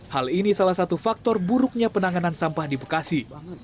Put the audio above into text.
hal ini salah satu faktor buruknya penanganan sampah di bekasi